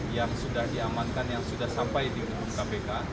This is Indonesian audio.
yang sudah diamankan yang sudah sampai di hukum kpk